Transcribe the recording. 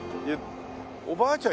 おばあちゃん